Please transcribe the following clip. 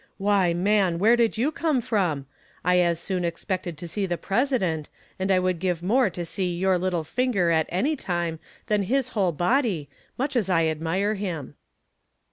" Why, man, where do you come from? I as soon expected to see the President, and I would give more to see your little finger at any time than his whole body, much as I admire him."